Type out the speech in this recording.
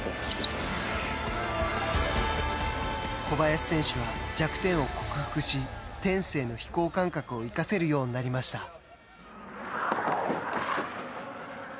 小林選手は弱点を克服し天性の飛行感覚を生かせるようになりました。